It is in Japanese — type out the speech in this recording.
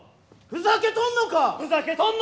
ふざけとんのか！